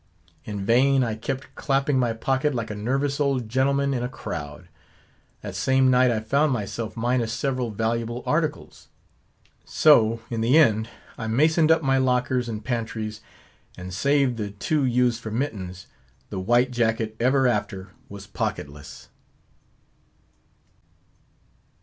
In vain I kept clapping my pocket like a nervous old gentlemen in a crowd; that same night I found myself minus several valuable articles. So, in the end, I masoned up my lockers and pantries; and save the two used for mittens, the white jacket ever after was pocketless.